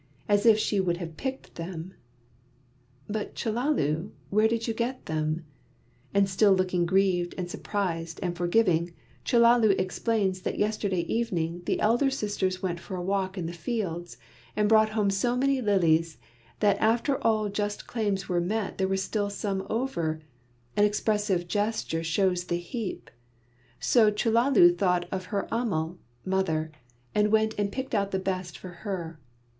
As if she would have picked them! "But, Chellalu, where did you get them?" and still looking grieved and surprised and forgiving, Chellalu explains that yesterday evening the elder sisters went for a walk in the fields, and brought home so many lilies, that after all just claims were met there were still some over an expressive gesture shows the heap so Chellalu thought of her Ammal (mother) and went and picked out the best for her.